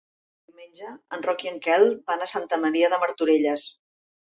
Diumenge en Roc i en Quel van a Santa Maria de Martorelles.